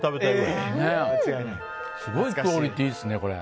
すごいクオリティーですね。